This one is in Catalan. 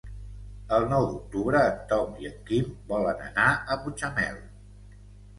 El nou d'octubre en Tom i en Quim volen anar a Mutxamel.